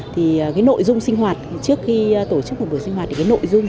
thì cái nội dung sinh hoạt trước khi tổ chức một buổi sinh hoạt thì cái nội dung